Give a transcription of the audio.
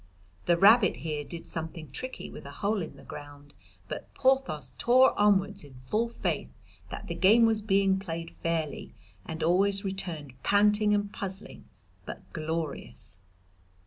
The rabbit here did something tricky with a hole in the ground, but Porthos tore onwards in full faith that the game was being played fairly, and always returned panting and puzzling but glorious.